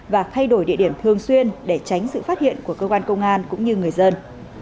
và thay đổi địa điểm thường xuyên để tránh sự phát hiện của cơ quan công an cũng như người dân